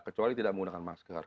kecuali tidak menggunakan masker